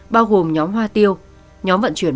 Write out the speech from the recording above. bao gồm nhóm hoa tiêu nhóm vận chuyển